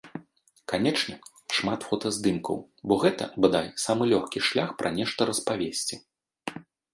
Канечне, шмат фотаздымкаў, бо гэта, бадай, самы лёгкі шлях пра нешта распавесці.